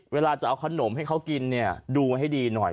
เวลาจะเอาขนมให้เขากินเนี่ยดูให้ดีหน่อย